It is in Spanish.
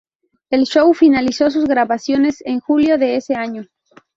El show finalizó sus grabaciones en julio de ese año.